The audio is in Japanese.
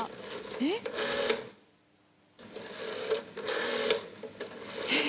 えっ？えっ。